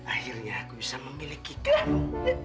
akhirnya aku bisa memiliki kamu